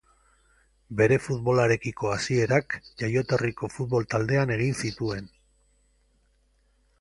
Bere futbolarekiko hasierak jaioterriko futbol-taldean egin zituen.